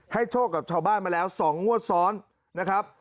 โชคกับชาวบ้านมาแล้ว๒งวดซ้อนนะครับ